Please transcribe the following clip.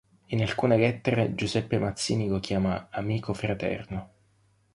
In alcune lettere Giuseppe Mazzini lo chiama "amico fraterno".